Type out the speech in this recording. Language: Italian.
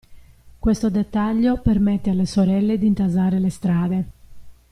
Questo dettaglio permette alle sorelle di intasare le strade.